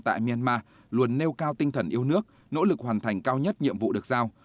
tại myanmar luôn nêu cao tinh thần yêu nước nỗ lực hoàn thành cao nhất nhiệm vụ được giao